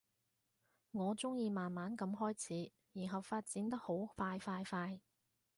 我鍾意慢慢噉開始，然後發展得好快快快